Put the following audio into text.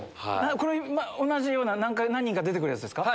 これ同じような何人か出て来るやつですか？